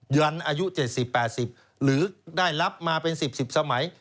เดือนอายุ๗๐๘๐หรือได้รับมาเป็น๑๐๑๐สมัย